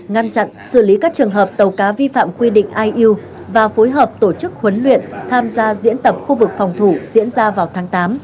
ngăn chặn xử lý các trường hợp tàu cá vi phạm quy định iuu và phối hợp tổ chức huấn luyện tham gia diễn tập khu vực phòng thủ diễn ra vào tháng tám